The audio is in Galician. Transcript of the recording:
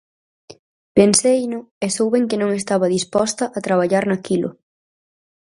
Penseino, e souben que non estaba disposta a traballar naquilo.